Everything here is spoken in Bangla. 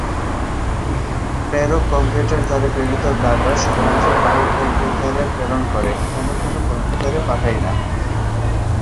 প্রেরক কম্পিউটার দ্বারা প্রেরিত ডাটা শুধুমাত্র গ্রাহক কম্পিউটারে প্রেরণ করে অন্য কোনো কম্পিউটারে পাঠায় না।